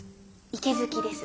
池月です。